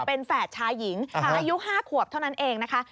เป็นแฝดชายหญิงอายุ๕ขวบเท่านั้นเองนะคะ